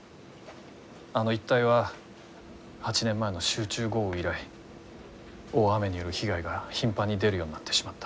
あの一帯は８年前の集中豪雨以来大雨による被害が頻繁に出るようになってしまった。